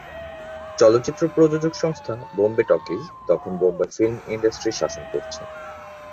চলচ্চিত্র প্রযোজক সংস্থা "বোম্বে টকিজ" তখন বোম্বাই ফিল্ম ইন্ডাস্ট্রি শাসন করছে।